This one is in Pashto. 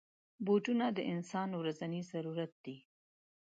بوټونه د انسان ورځنی ضرورت دی.